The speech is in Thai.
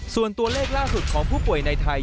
ส่วนตัวเลขล่าสุดของผู้ป่วยในไทย